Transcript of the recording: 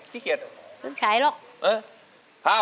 เพิ่งใช้หรอก